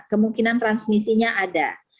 kemungkinan transmisinya ada